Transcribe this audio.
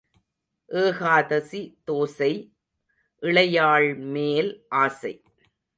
ஏகாதசி தோசை இளையாள்மேல் ஆசை.